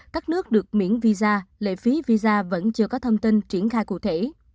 các nước được miễn visa lệ phí visa vẫn chưa có thông tin triển khai cụ thể